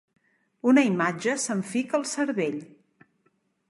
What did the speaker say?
Una imatge se'm fica al cervell.